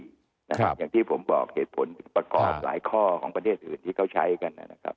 อย่างที่ผมบอกเหตุผลประกอบหลายข้อของประเทศอื่นที่เขาใช้กันนะครับ